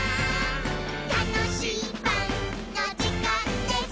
「たのしいパンのじかんです！」